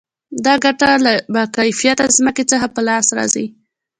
دا ګټه له با کیفیته ځمکې څخه په لاس راځي